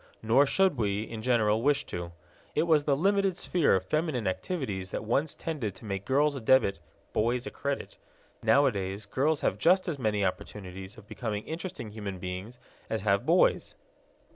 Nor should we, in general, wish to. It was the limited sphere of feminine activities that once tended to make girls a debit, boys a credit. Nowadays girls have just as many opportunities of becoming interesting human beings as have boys.